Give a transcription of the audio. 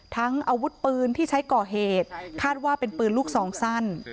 อาวุธปืนที่ใช้ก่อเหตุคาดว่าเป็นปืนลูกซองสั้น